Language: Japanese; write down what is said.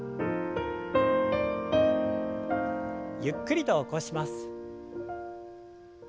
ゆっくり起こします。